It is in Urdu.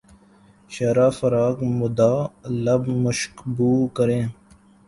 شرح فراق مدح لب مشکبو کریں